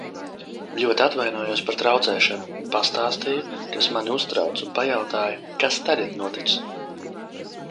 Ļoti atvainojos par traucēšanu, pastāstīju, kas mani uztrauc un pajautāju, kas tagad notiks.